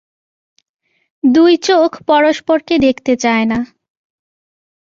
দুটো চোখ পরস্পরকে দেখতে চায় না।